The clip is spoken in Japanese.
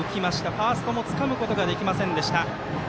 ファーストもつかむことができませんでした。